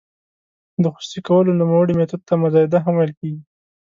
د خصوصي کولو نوموړي میتود ته مزایده هم ویل کیږي.